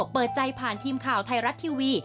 เปิดใจผ่านทีมข่าวไทยรัฐทีวี